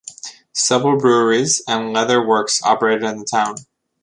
Several breweries and leather works operated in the town.